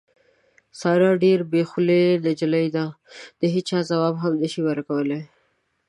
ساره ډېره بې خولې نجیلۍ ده، د هېچا ځواب هم نشي کولی.